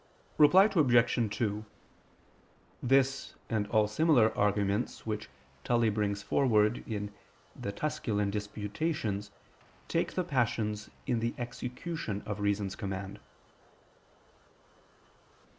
Reply Obj. 2: This and all similar arguments which Tully brings forward in De Tusc. Quaest. iv take the passions in the execution of reason's command.